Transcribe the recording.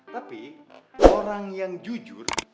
tapi orang yang jujur